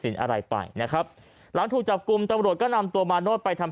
อะไรไปนะครับหลังถูกจับกลุ่มตำรวจก็นำตัวมาโนธไปทำ